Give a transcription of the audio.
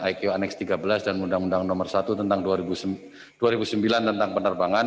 iqnex tiga belas dan undang undang nomor satu tentang dua ribu sembilan tentang penerbangan